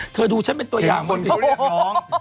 เธอดูฉันเป็นตัวอย่างดูฉันคือโอ้โห